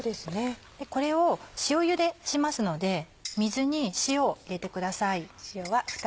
これを塩ゆでしますので水に塩を入れてください。